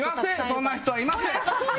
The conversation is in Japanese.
そんな人はいません！